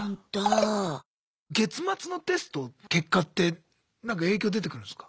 月末のテストの結果ってなんか影響出てくるんすか？